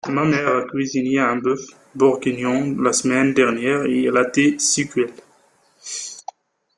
Ma mère a cuisiné un bœuf bourguignon la semaine dernière et il était succulent.